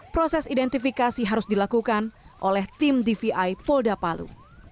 proses identifikasi harus dilakukan oleh tim dvi polda palu